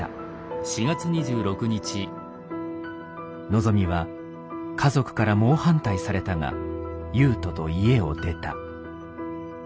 望は家族から猛反対されたが優斗と家を出た。